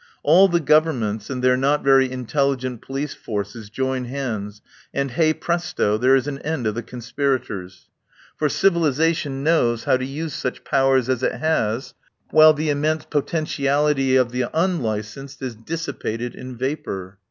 All the Gov ernments and their not very intelligent police forces join hands, and hey, presto! there is an end of the conspirators. For civilisation knows how to use such powers as it has, while 77 THE POWER HOUSE the immense potentiality of the unlicensed is dissipated in vapour.